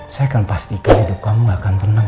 saya akan pastikan hidup kamu akan tenang